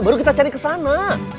baru kita cari kesana